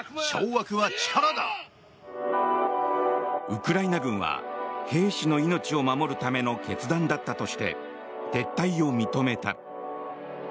ウクライナ軍は兵士の命を守るための決断だったとして撤退を認めた。